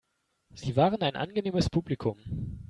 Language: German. Sie waren ein angenehmes Publikum.